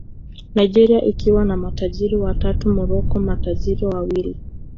Nigeria ikiwa na matajiri watatu Morocco matajiri wawili